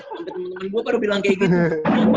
sampai temen gue baru bilang kayak gitu